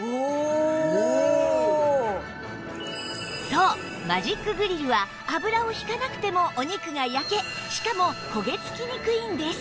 そうマジックグリルは油を引かなくてもお肉が焼けしかも焦げつきにくいんです